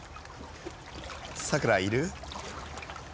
さくらいる？